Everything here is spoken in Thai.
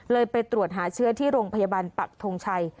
ไปตรวจหาเชื้อที่โรงพยาบาลปักทงชัย